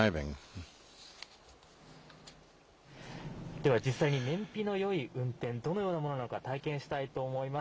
では実際に、燃費のよい運転、どのようなものなのか、体験したいと思います。